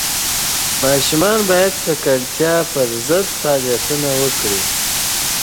ماشومان باید د ککړتیا پر ضد فعالیتونه وکړي.